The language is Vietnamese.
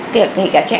kể cả trẻ